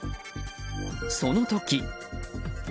その時。